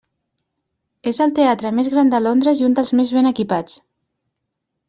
És el teatre més gran de Londres i un dels més ben equipats.